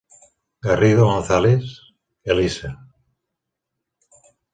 Garrido González, Elisa.